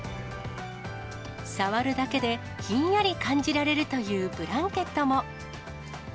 触るだけで、ひんやり感じられるというブランケットも。